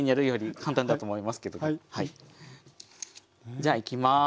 じゃあいきます。